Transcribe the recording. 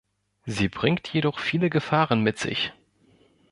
Sie bringt jedoch viele Gefahren mit sich.